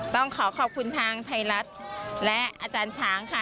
ต้องขอขอบคุณทางไทยรัฐและอาจารย์ช้างค่ะ